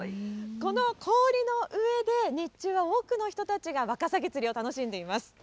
この氷の上で、日中は多くの人たちがワカサギ釣りを楽しんでいます。